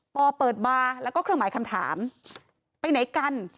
เปิดบาร์แล้วก็เครื่องหมายคำถามไปไหนกัน